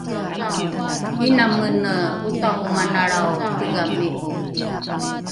’ina mene otahomanalrao tigami’o